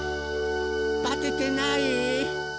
バテてない？